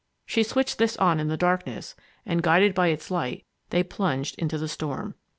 She switched this on in the darkness, and, guided by its light, they plunged into the storm.